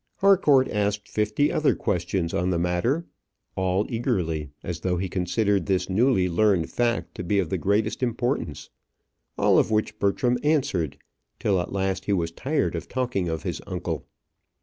Harcourt asked fifty other questions on the matter, all eagerly, as though he considered this newly learned fact to be of the greatest importance: all of which Bertram answered, till at last he was tired of talking of his uncle.